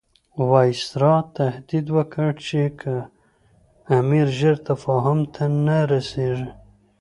وایسرا تهدید وکړ چې که امیر ژر تفاهم ته نه رسیږي.